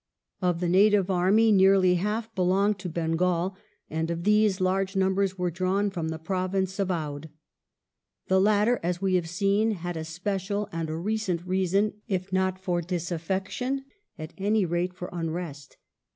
^ Of the native army nearly half belonged to Bengal, and, of these, large numbers were drawn from the Province of Oudh. The latter, as we have seen, had a special and a recent reason, if not for disaffection, at any rate for unrest.